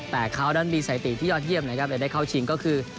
แต่เขานั้นมีสถิติที่ยอดเยี่ยมนะครับแต่ได้เข้าชิงก็คือ